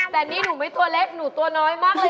แต่นี่หนูไม่ตัวเล็กหนูตัวน้อยมากเลย